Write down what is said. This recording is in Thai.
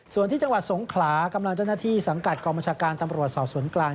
ส่วนที่จังหวัดสงขลากำลังเจ้าหน้าที่สังกัดกองบัญชาการตำรวจสอบสวนกลาง